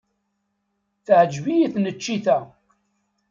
Teɛjeb-iyi tneččit-a.